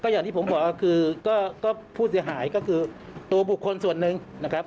อย่างที่ผมบอกก็คือภูติหายก็คือตัวบุคคลส่วนนึง